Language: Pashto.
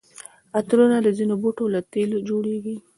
عطرونه د ځینو بوټو له تېلو جوړیږي.